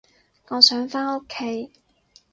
我想返屋企